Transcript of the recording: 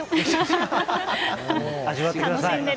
味わってください。